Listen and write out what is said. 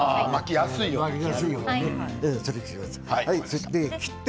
巻きやすいように。